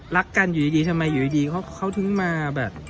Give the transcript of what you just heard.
รักกันอยู่ดีทำไมอยู่ดีเขาถึงมาแบบ